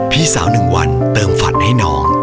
พี่สาว๑วันเติมฝันให้น้อง